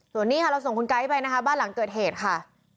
ส่วนนี้ค่ะเราส่งคุณไก๊ไปนะคะบ้านหลังเกิดเหตุค่ะ